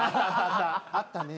あったね。